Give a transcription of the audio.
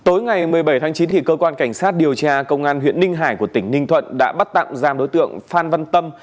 tối ngày một mươi bảy tháng chín cơ quan cảnh sát điều tra công an huyện ninh hải của tỉnh ninh thuận đã bắt tạm giam đối tượng phan văn tâm